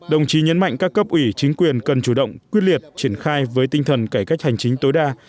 đồng chí nhấn mạnh các cấp ủy chính quyền cần chủ động quyết liệt triển khai với tinh thần cải cách hành chính tối đa